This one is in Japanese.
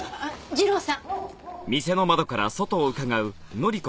次郎さん！